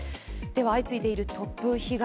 相次いでいる突風被害